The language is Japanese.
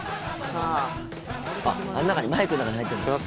あっあの中にマイクの中に入ってんだ。